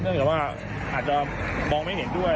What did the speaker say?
เนื่องจากว่าอาจจะมองไม่เห็นด้วย